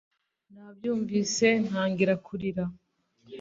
Nabyumvise ntangira kurira